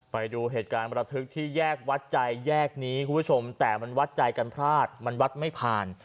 ไปดูเหตุการณ์ประทึกที่แยกวัดใจแยกนี้คุณผู้ชมแต่มันวัดใจกันพลาดมันวัดไม่ผ่าน